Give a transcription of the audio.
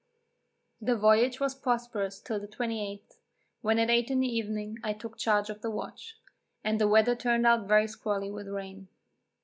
The voyage was prosperous till the 28th, when at eight in the evening I took charge of the watch, and the weather turned out very squally with rain.